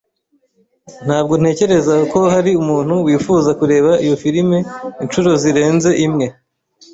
Ntabwo ntekereza ko hari umuntu wifuza kureba iyo firime inshuro zirenze imwe.